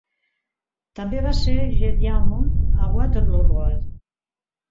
També va ser Jez Diamond a Waterloo Road.